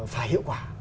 phải hiệu quả